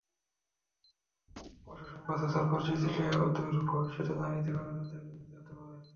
প্রশাসন ব্যর্থতার পরিচয় দিলে অদূর ভবিষ্যতে নারীদের অগ্রযাত্রা বিঘ্নিত হতে পারে।